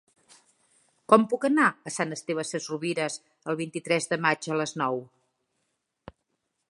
Com puc anar a Sant Esteve Sesrovires el vint-i-tres de maig a les nou?